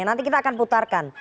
nanti kita akan putarkan